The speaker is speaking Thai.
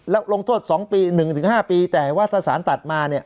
แล้วลงทศสองปี๑๕ปีแต่วัฒนศาลตัดมาเนี่ย